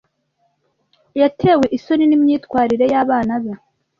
Yatewe isoni nimyitwarire y'abana be.